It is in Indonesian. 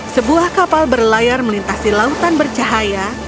sebuah kapal berlayar melintasi lautan bercahaya